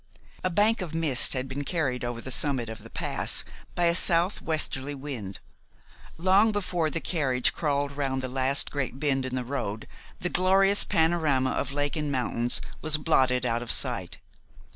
A bank of mist had been carried over the summit of the pass by a southwesterly wind. Long before the carriage crawled round the last great bend in the road the glorious panorama of lake and mountains was blotted out of sight.